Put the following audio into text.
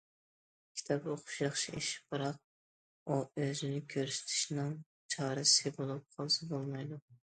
كىتاب ئوقۇش ياخشى ئىش، بىراق ئۇ ئۆزىنى كۆرسىتىشنىڭ چارىسى بولۇپ قالسا بولمايدۇ.